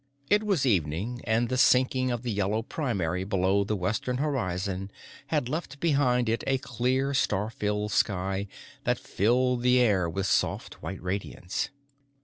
It was evening, and the sinking of the yellow primary below the western horizon had left behind it a clear, star filled sky that filled the air with a soft, white radiance.